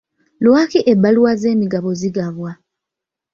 Lwaki ebbaluwa z'emigabo zigabwa?